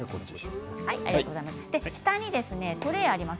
下にトレーがあります